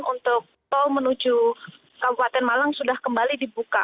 untuk tol menuju kabupaten malang sudah kembali dibuka